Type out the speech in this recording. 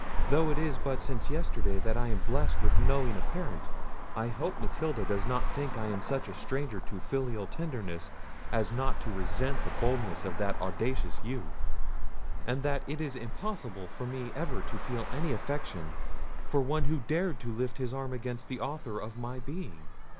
Though it is but since yesterday that I am blessed with knowing a parent, I hope Matilda does not think I am such a stranger to filial tenderness as not to resent the boldness of that audacious youth, and that it is impossible for me ever to feel any affection for one who dared to lift his arm against the author of my being.